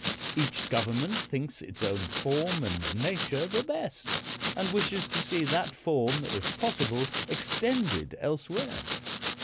Each government thinks its own form and nature the best, and wishes to see that form, if possible, extended elsewhere.